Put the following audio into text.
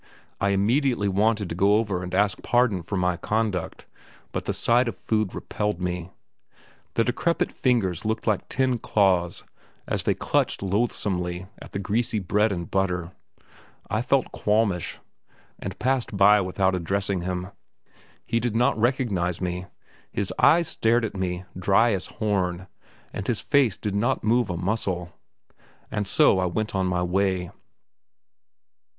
I immediately wanted to go over and ask pardon for my conduct, but the sight of food repelled me. The decrepit fingers looked like ten claws as they clutched loathsomely at the greasy bread and butter; I felt qualmish, and passed by without addressing him. He did not recognize me; his eyes stared at me, dry as horn, and his face did not move a muscle. And so I went on my way.